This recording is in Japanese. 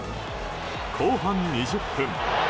後半２０分。